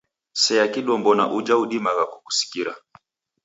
Sea kidombo na uja udimagha kukusikira.